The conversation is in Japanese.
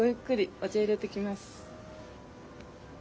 お茶いれてきます。